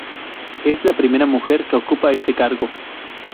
Es la primera mujer que ocupa este cargo.